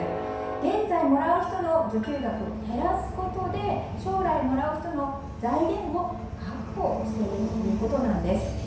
現在もらう人の受給額を減らすことで将来もらう人の財源を確保しているということなんです。